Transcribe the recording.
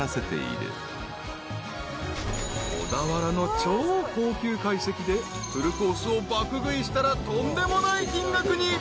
［小田原の超高級懐石でフルコースを爆食いしたらとんでもない金額に］